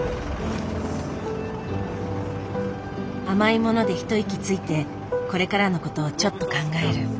甘いもので一息ついてこれからのことをちょっと考える。